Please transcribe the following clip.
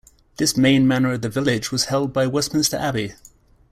This main manor of the village was held by Westminster Abbey.